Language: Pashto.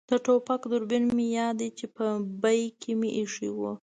د ټوپک دوربین مې یاد دی چې په بېک کې مې اېښی وو.